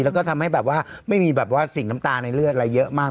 แล้วก็ทำให้ไม่มีสิ่งตาในเลือดอะไรเยอะมาก